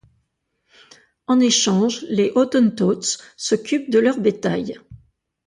En échange, les Hottentots s'occupent de leur bétail.